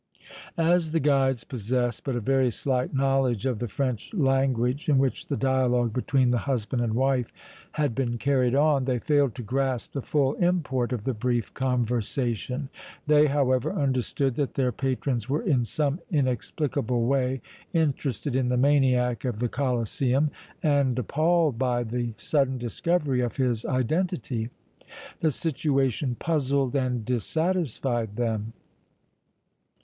As the guides possessed but a very slight knowledge of the French language, in which the dialogue between the husband and wife had been carried on, they failed to grasp the full import of the brief conversation; they, however, understood that their patrons were in some inexplicable way interested in the maniac of the Colosseum and appalled by the sudden discovery of his identity. The situation puzzled and dissatisfied them.